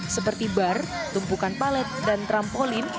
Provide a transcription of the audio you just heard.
seperti bar tumpukan palet dan trampolin